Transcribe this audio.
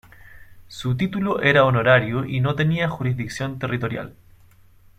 Su título era honorario y no tenía jurisdicción territorial.